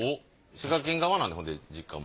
滋賀県側なんでほんで実家も。